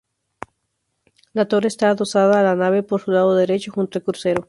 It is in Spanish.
La torre está adosada a la nave por su lado derecho, junto al crucero.